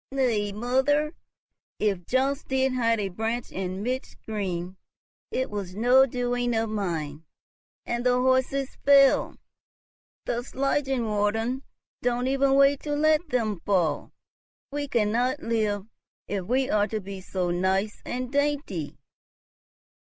"Nay, mother, if Jobst did hide a branch in midstream, it was no doing of mine; and the horses fell. The Schlangenwaldern don't even wait to let them fall. We cannot live, if we are to be so nice and dainty."